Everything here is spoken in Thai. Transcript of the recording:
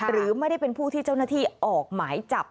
หรือไม่ได้เป็นผู้ที่เจ้าหน้าที่ออกหมายจับ